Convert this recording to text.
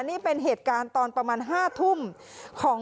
นี่เป็นเหตุการณ์ตอนประมาณ๕ทุ่มของ